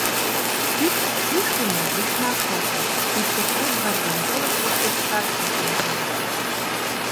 — пикш шӱшкымӧ лишнак шоктыш; икте Эдвардын пылыш воктечшак эртен кайыш.